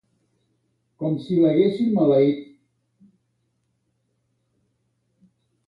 Com si l'haguessin maleït.